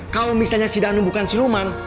kalau misalnya si danu bukan siluman